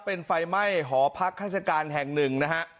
เป็นไฟไหม้หอพักราชการแห่งหนึ่งนะฮะ